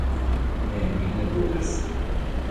Ne, mi ne volas.